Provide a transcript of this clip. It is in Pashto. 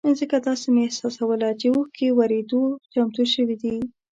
ځکه داسې مې احساسوله چې اوښکې ورېدو ته چمتو شوې دي.